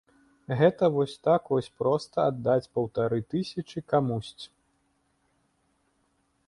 Гэта вось так вось проста аддаць паўтары тысячы камусьці.